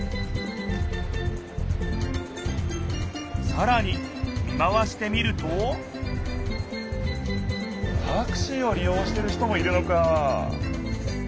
さらに見回してみるとタクシーをり用してる人もいるのか。